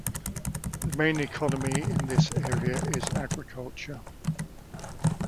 The main economy in this area is agriculture.